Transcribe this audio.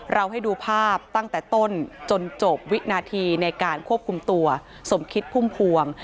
ให้ดูภาพตั้งแต่ต้นจนจบวินาทีในการควบคุมตัวสมคิดพุ่มพวง